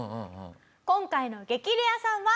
今回の激レアさんは。